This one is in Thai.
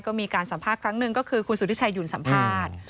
ก็มีการสัมภาษณ์ครั้งหนึ่งก็คือคุณสุธิชัยหยุ่นสัมภาษณ์